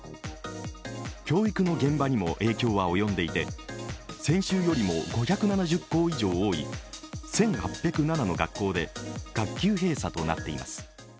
教育の現場にも影響は及んでいて先週よりも５７０校以上多い１８０７の学校で学級閉鎖となっています。